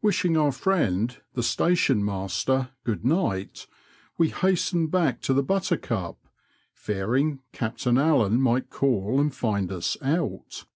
Wishing our friend the station master good night, we hastened back to the Buttercup, fearing Captain Allen might call and find us out."